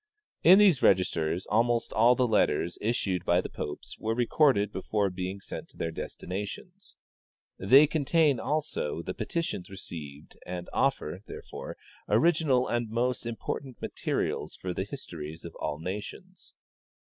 " In these registers almost all the letters issued by the popes were recorded before being sent to their destinations. They contain, also, the petitions received, and offer, therefore, original and most important materials for th^ histories of all nations.